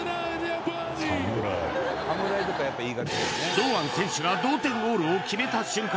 堂安選手が同点ゴールを決めた瞬間